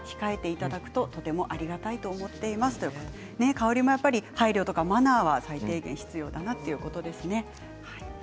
香りもやっぱり配慮やマナーが最低限必要かなということですね。